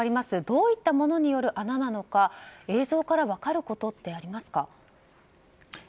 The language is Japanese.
どういったものによる穴なのか映像から分かることありますか？